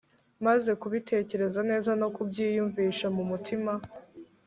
maze kubitekereza neza no kubyiyumvisha mu mutima